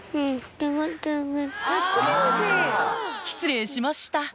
失礼しました